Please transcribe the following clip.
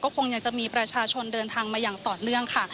คงยังจะมีประชาชนเดินทางมาอย่างต่อเนื่องค่ะ